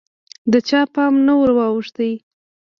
د چا پام نه وراوښت